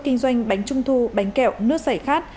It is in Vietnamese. kinh doanh bánh trung thu bánh kẹo nước sảy khát